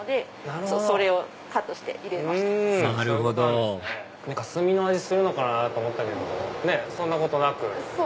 なるほど炭の味するのかなと思ったけどそんなことなく。